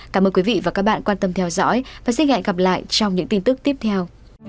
cảm ơn quý vị và các bạn quan tâm theo dõi và xin hẹn gặp lại trong những tin tức tiếp theo